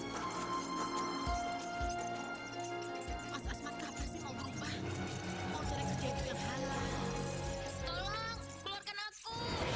waduh jantungan aku